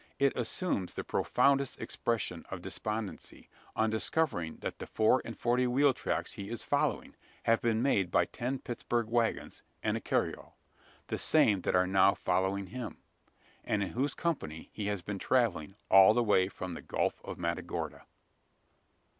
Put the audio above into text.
It assumes the profoundest expression of despondency, on discovering that the four and forty wheel tracks he is following, have been made by ten Pittsburgh waggons, and a carriole the same that are now following him, and in whose company he has been travelling all the way from the Gulf of Matagorda!